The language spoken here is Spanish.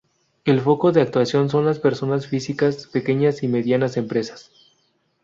El foco de actuación son las personas físicas, pequeñas y medianas empresas.